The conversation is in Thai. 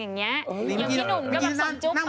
อย่างนี้พี่หนุ่มก็แบบสอนจุ๊บไป